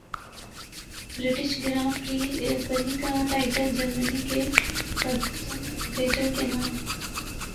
British Grand Prix کا title جرمنی کے سبسٹن ویٹل کے نام